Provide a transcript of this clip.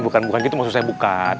bukan bukan gitu maksud saya bukan